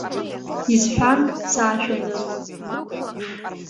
Исҳәан саашәаны.